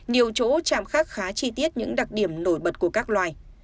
nhiều chỗ chạm khắc khá chi tiết những đặc điểm nổi bật của các loài